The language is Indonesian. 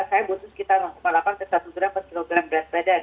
saya butuh sekitar delapan satu gram per kilogram berat badan